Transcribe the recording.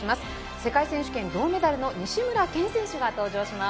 世界選手権銅メダルの西村拳選手が登場します。